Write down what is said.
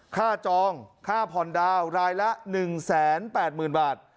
ค่าจองค่าพรดาวรายละ๑๘๐๐๐๐บาท